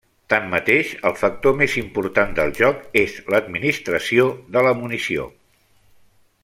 Tanmateix, el factor més important del joc és l'administració de la munició.